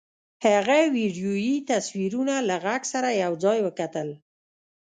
هغه ويډيويي تصويرونه له غږ سره يو ځای وکتل.